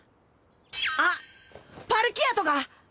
あっパルキアとか！